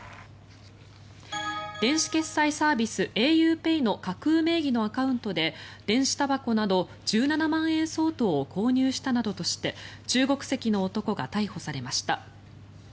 電子決済サービスａｕＰＡＹの架空名義のアカウントで電子たばこなど１７万円相当を購入したなどとして中国籍の男が逮捕されました。